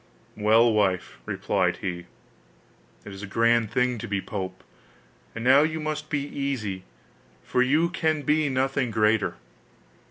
'Well, wife,' replied he, 'it is a grand thing to be pope; and now you must be easy, for you can be nothing greater.